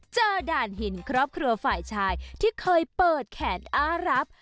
ด่านหินครอบครัวฝ่ายชายที่เคยเปิดแขนอ้ารับ